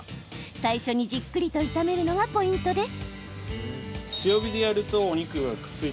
最初に、じっくりと炒めるのがポイントです。